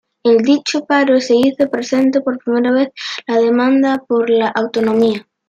En dicho paro se hizo presente por primera vez la demanda por la autonomía.